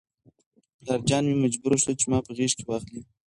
پلارجان مې مجبور شو چې ما په غېږ کې واخلي.